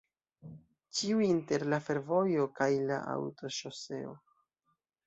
Ĉiuj inter la fervojo kaj la aŭtoŝoseo.